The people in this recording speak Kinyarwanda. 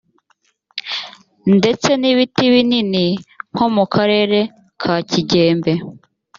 ndetse n ibiti binini nko mu karere ka kigembe